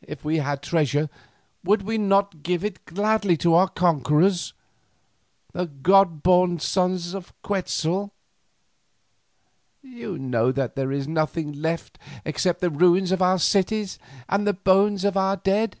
If we had treasure would we not give it gladly to our conquerors, the god born sons of Quetzal? You know that there is nothing left except the ruins of our cities and the bones of our dead."